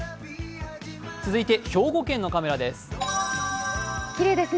続いて兵庫県のカメラです。